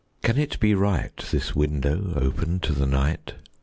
can it be right This window open to the night!